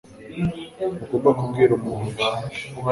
Ntugomba kubwira umuntu ibi.